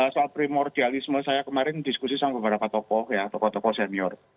soal primordialisme saya kemarin diskusi sama beberapa tokoh ya tokoh tokoh senior